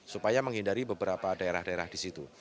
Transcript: supaya menghindari beberapa daerah daerah di situ